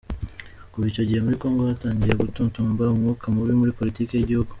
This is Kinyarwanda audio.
Kuva icyo gihe muri Congo hatangiye gututumba umwuka mubi muri politiki y’igihugu.